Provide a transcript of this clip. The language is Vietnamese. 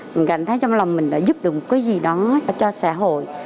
mình cảm thấy trong lòng mình đã giúp được một cái gì đó cho xã hội